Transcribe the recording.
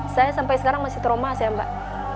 saya sampai sekarang masih teromas ya mbak